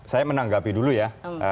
saya menanggapi dulu ya